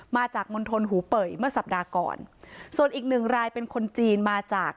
มาจากมณฑลหูเป่ยเมื่อสัปดาห์ก่อนส่วนอีกหนึ่งรายเป็นคนจีนมาจาก